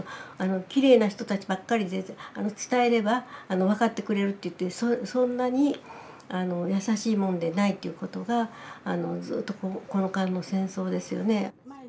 きれいな人たちばっかりで伝えれば分かってくれると言ってそんなにやさしいもんでないっていうことがずっとこの間の戦争ですよね。